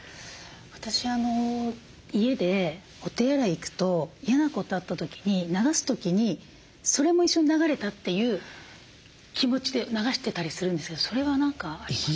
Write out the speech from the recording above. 私家でお手洗い行くと嫌なことあった時に流す時にそれも一緒に流れたという気持ちで流してたりするんですけどそれは何かありますか？